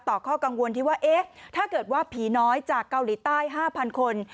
ข้อกังวลที่ว่าเอ๊ะถ้าเกิดว่าผีน้อยจากเกาหลีใต้๕๐๐คน